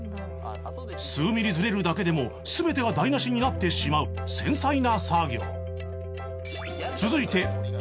数ミリずれるだけでも全てが台無しになってしまう繊細な作業